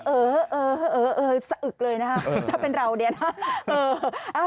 เออเออสะอึกเลยนะคะถ้าเป็นเราเนี่ยนะ